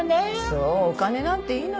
そうお金なんていいのよ。